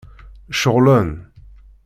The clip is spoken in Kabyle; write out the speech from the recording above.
Ceɣlen.